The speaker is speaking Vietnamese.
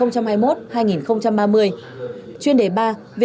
chuyên đề sáu